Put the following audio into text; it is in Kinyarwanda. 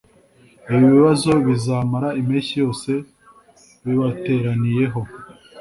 Ibi bibazo bizamara impeshyi yose bibateraniyeho